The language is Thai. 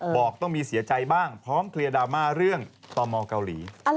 บอกต้องมีเสียใจบ้างพร้อมเคลียร์ดราม่าเรื่องต่อมองเกาหลี